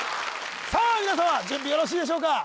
さあ皆さま準備よろしいでしょうか？